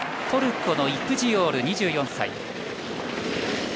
トルコのイプジオール、２４歳。